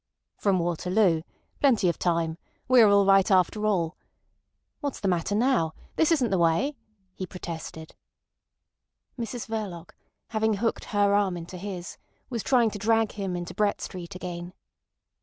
"From Waterloo. Plenty of time. We are all right after all. ... What's the matter now? This isn't the way," he protested. Mrs Verloc, having hooked her arm into his, was trying to drag him into Brett Street again.